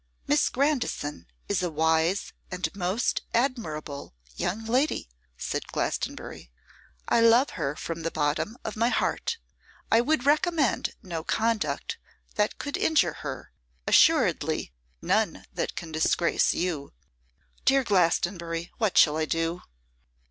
'Miss Grandison is a wise and most admirable young lady,' said Glastonbury. 'I love her from the bottom of my heart; I would recommend no conduct that could injure her, assuredly none that can disgrace you.' 'Dear Glastonbury, what shall I do?